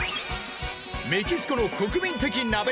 メキシコの国民的鍋料理